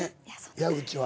矢口は」